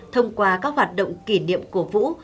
thông qua các hoạt động kỷ niệm cổ vũ